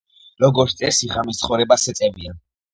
როგორც წესი ღამის ცხოვრებას ეწევიან.